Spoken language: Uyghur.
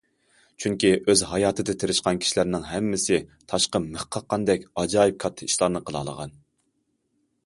چۈنكى ئۆز ھاياتىدا تىرىشقان كىشىلەرنىڭ ھەممىسى تاشقا مىخ قاققاندەك ئاجايىپ كاتتا ئىشلارنى قىلالىغان.